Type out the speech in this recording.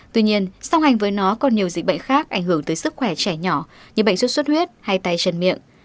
tuy nhiên song hành với nó còn nhiều dịch bệnh khác ảnh hưởng tới sức khỏe trẻ nhỏ như bệnh sốt xuất huyết hay tay chân miệng